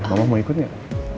mama mau ikut gak